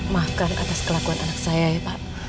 maafkan atas kelakuan anak saya ya pak